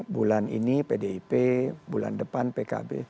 bulan ini pdip bulan depan pkb